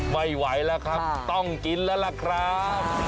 ไม่ไหวแล้วครับต้องกินแล้วล่ะครับ